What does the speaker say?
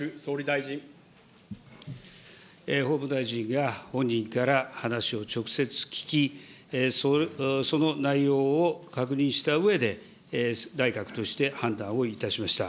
法務大臣が本人から話を直接聞き、その内容を確認したうえで、内閣として判断をいたしました。